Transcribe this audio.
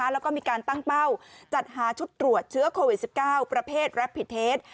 แล้วก็มีการตั้งเป้าจัดหาชุดตรวจเชื้อโควิด๑๙ประเภทแรปิเทส